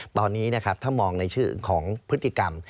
ตอนนี้นะครับถ้ามองในชื่อของพฤติกรรม